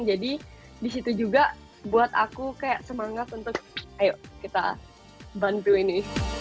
jadi di situ juga buat aku kayak semangat untuk ayo kita bantu ini